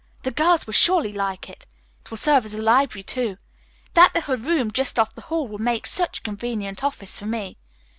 The girls will surely like it. It will serve as a library too. That little room just off the hall will make such a convenient office for me.